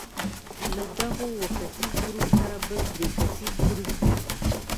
له دغو اووه کسیز ګروپ سره بل درې کسیز ګروپ وو.